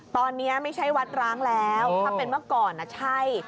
ตอนนี้ไม่ใช่วัดร้างแล้วถ้าเป็นเมื่อก่อนใช่